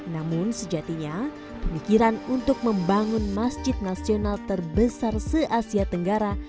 namun sejatinya pemikiran untuk membangun masjid nasional terbesar se asia tenggara